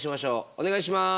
お願いします。